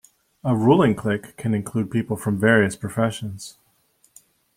A ruling clique can include people from various professions.